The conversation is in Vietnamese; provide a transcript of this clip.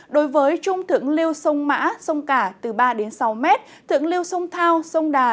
đối với trung thượng liêu sông mã sông cả từ ba sáu m thượng liêu sông thao sông đà